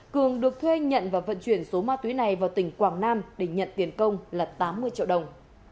cường được thuê nhận và vận chuyển số ma túy này vào tỉnh quảng nam để nhận tiền công là tám mươi triệu đồng